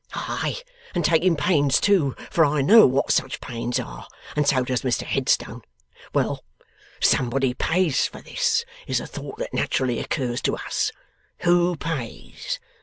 Ay, and taking pains, too, for I know what such pains are. And so does Mr Headstone! Well! Somebody pays for this, is a thought that naturally occurs to us; who pays?